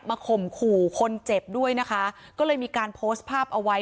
ข่มขู่คนเจ็บด้วยนะคะก็เลยมีการโพสต์ภาพเอาไว้